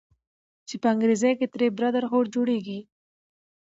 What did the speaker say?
چې په انګريزۍ کښې ترې Brotherhood جوړيږي